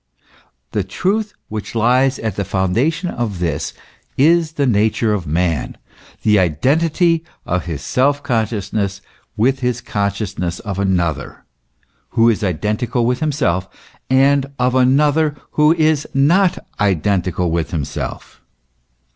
The truth which lies at the foundation of this is the nature of man : the identity of his self consciousness with his consciousness of another who is identical with himself, and of another who is not identical with himself.